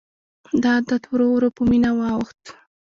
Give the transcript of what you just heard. دا عادت ورو ورو په مینه واوښت.